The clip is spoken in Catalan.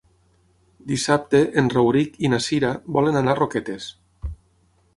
Dissabte en Rauric i na Cira volen anar a Roquetes.